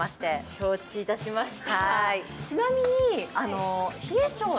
承知いたしました。